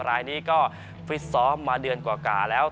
รายนี้ก็ฟิตซ้อมมาเดือนกว่าแล้ว